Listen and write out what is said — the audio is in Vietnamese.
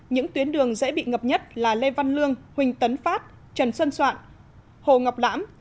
những tuyến đường dễ bị ngập nhất là lê văn lương huỳnh tấn phát trần xuân soạn hồ ngọc lãm